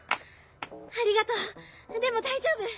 ありがとうでも大丈夫。